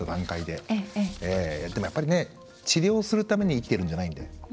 でも、やっぱり治療するために生きてるんじゃないんで。